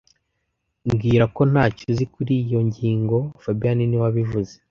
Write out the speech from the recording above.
Mbwira ko ntacyo uzi kuriyi ngingo fabien niwe wabivuze